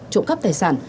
trộm cắp tài sản